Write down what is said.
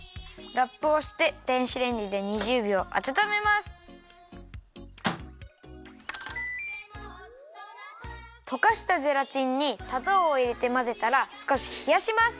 ラップをして電子レンジで２０びょうあたためます。とかしたゼラチンにさとうをいれてまぜたら少しひやします。